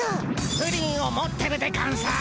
プリンを持ってるでゴンス。